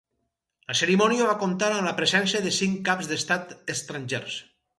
La cerimònia va comptar amb la presència de cinc caps d'Estat estrangers.